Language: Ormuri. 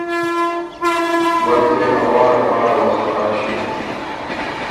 بلکې ا وار ا پاره وه خطا ݭیوک۔